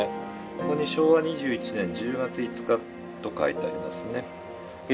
ここに昭和２１年１０月５日と書いてありますね。